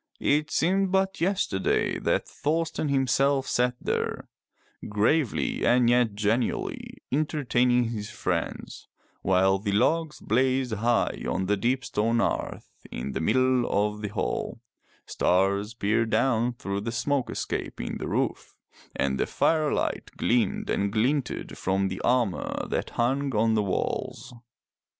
It seemed but yesterday that Thorsten himself sat there, gravely and yet genially entertaining his friends while the logs blazed high on the deep stone hearth in the middle of the hall, stars peered down through the smoke escape in the roof, and the firelight gleamed and glinted from the armor that hung on the walls.